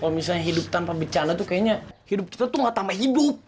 kalau misalnya hidup tanpa bencana tuh kayaknya hidup kita tuh gak tambah hidup